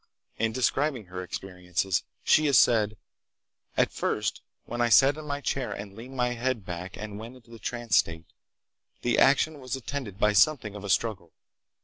In describing her experiences she has said: "At first when I sat in my chair and leaned my head back and went into the trance state, the action was attended by something of a struggle.